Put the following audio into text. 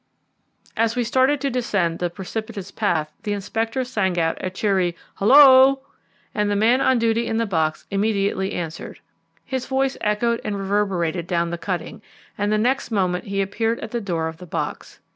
As we started to descend the precipitous path the Inspector sang out a cheery "Hullo!" The man on duty in the box immediately answered. His voice echoed and reverberated down the cutting, and the next moment he appeared at the door of the box.